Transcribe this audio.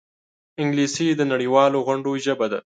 انګلیسي د نړيوالو غونډو ژبه ده